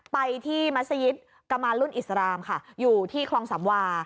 ไปที่มัศยิตกมารุ่นอิสรามค่ะอยู่ที่คลองสำวา